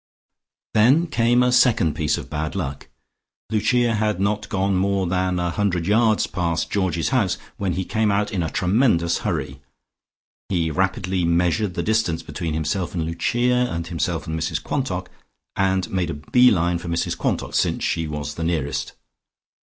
Then came a second piece of bad luck. Lucia had not gone more than a hundred yards past Georgie's house, when he came out in a tremendous hurry. He rapidly measured the distance between himself and Lucia, and himself and Mrs Quantock, and made a bee line for Mrs Quantock, since she was the nearest.